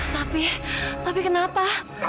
papi papi kenapa